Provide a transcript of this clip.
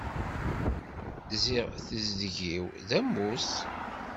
Ziɣ tezdeg-iw d ammus.